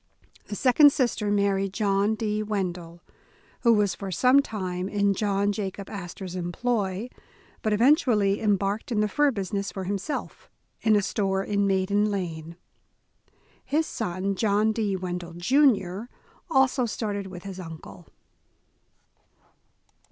The second sister married John D. Wendel, who was for some time in John Jacob Astor 's employ, but eventu ally embarked in the fur business for himself, in a store in Maiden Lane. His son, John D. Wendel, Jr., also started with his uncle.